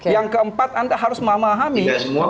yang keempat anda harus memahami